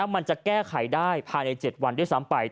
มันจะแก้ไขได้ภายใน๗วันด้วยซ้ำไป